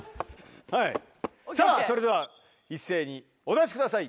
はいさぁそれでは一斉にお出しください